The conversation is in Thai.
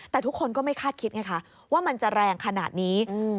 แต่ทุกคนก็ไม่คาดคิดไงคะว่ามันจะแรงขนาดนี้